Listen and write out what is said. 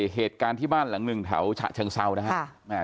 เหตุการณ์ที่บ้านหลังหนึ่งแถวฉะเชิงเซานะครับ